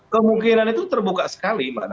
kemungkinan itu terbuka sekali